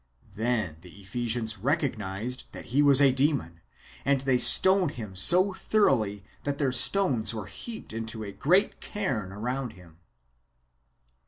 .Then the Ephesians recognised that. he was a demon, and they stoned him so thoroughly that their stones were heaped into a great cairn around him.